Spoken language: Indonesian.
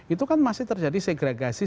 itu kan masih terjadi segregasi